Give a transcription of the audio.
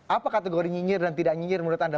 apa kategori nyinyir dan tidak nyinyir menurut anda